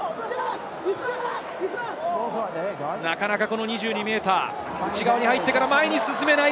なかなか２２ｍの内側に入ってから前に進めない。